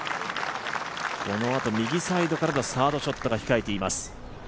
このあと右サイドからのサードショットが控えています。